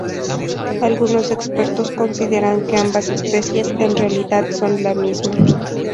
Algunos expertos consideran que ambas especies en realidad son la misma.